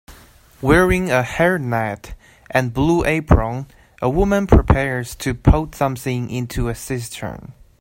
Wearing a hairnet and blue apron a woman prepares to pout something into a cistern.